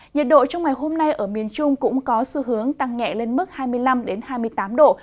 nhiệt độ trong ngày hôm nay ở miền trung cũng có xu hướng tăng nhẹ lên mức hai mươi năm hai mươi tám độ